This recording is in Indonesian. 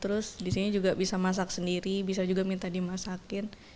terus di sini juga bisa masak sendiri bisa juga minta dimasakin